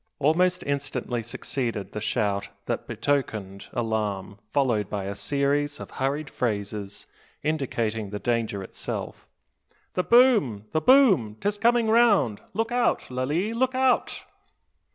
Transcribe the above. Almost instantly succeeded the shout that betokened alarm, followed by a series of hurried phrases, indicating the danger itself. "The boom, the boom! 'Tis coming round! Look out, Lalee! look out!"